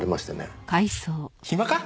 暇か？